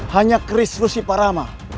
hanya kris rusi parama